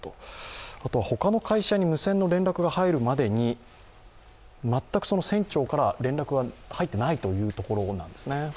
あとは、ほかの会社に無線の連絡が入るまでに全く船長から連絡が入っていないというところなんですね。